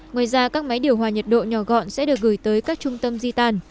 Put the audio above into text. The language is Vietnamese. ngoài ra các máy điều hòa nhiệt độ nhỏ gọn sẽ được gửi tới các trung tâm di tản